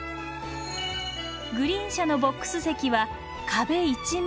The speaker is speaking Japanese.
グリーン車のボックス席は壁一面が窓。